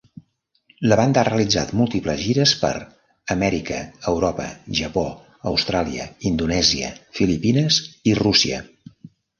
La banda ha realitzat múltiples gires per Amèrica, Europa, Japó, Austràlia, Indonèsia, Filipines, i Rússia.